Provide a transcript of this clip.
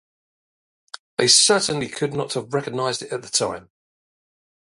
They certainly could not have recognized it at the time.